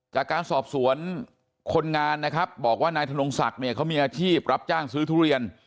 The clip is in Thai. จากการสอบสวนคนงานนะครับบอกว่านายธนงศักดิ์เนี่ยเขามีอาชีพรับจ้างซื้อทุเรียน